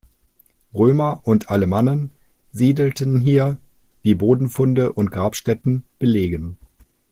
Römer und Alemannen siedelten hier, wie Bodenfunde und Grabstätten belegen.